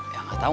ya gak tau